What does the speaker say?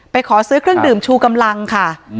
ขอซื้อเครื่องดื่มชูกำลังค่ะ